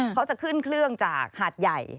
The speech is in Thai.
เขาจะขึ้นเครื่องจากหาดใหญ่